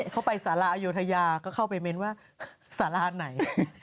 เข้าไปสาลายุทยาก็เข้าไปเม้นว่าสาลานัย